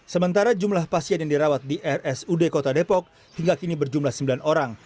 sementara jumlah pasien yang dirawat di rsud kota depok hingga kini berjumlah sembilan orang